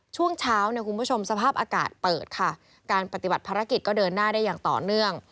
ช่วงเช้าเนี่ยคุณผู้ชมสภาพอากาศเปิดค่ะการปฏิบัติภารกิจก็เดินหน้าได้อย่างต่อเนื่อง